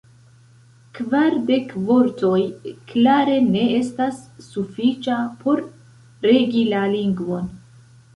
Kvardek vortoj klare ne estas sufiĉa por regi la lingvon.